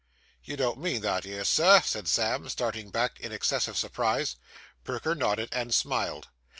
'You don't mean that 'ere, Sir?' said Sam, starting back in excessive surprise. Perker nodded and smiled.